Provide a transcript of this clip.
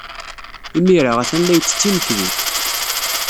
Imir-a, atan la yettett imekli.